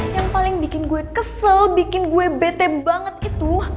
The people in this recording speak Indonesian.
yang paling bikin gue kesel bikin gue bete banget gitu